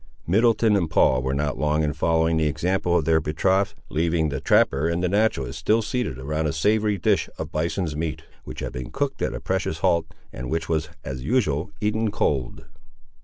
Middleton and Paul were not long in following the example of their betrothed, leaving the trapper and the naturalist still seated around a savoury dish of bison's meat, which had been cooked at a previous halt, and which was, as usual, eaten cold.